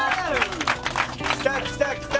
きたきたきた！